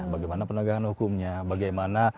bagaimana penegangan hukumnya bagaimana